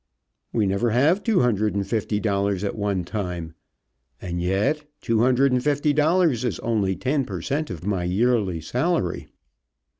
We never have two hundred and fifty dollars at one time. And yet two hundred and fifty dollars is only ten per cent. of my yearly salary.